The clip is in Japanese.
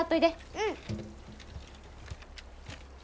うん。